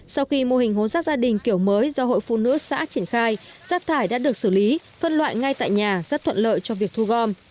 sau khi mô hình hố rác gia đình kiểu mới do hội phụ nữ xã triển khai rác thải đã được xử lý phân loại ngay tại nhà rất thuận lợi cho việc thu gom